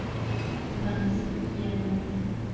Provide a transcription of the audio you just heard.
خو په نصیب کې یې نه و.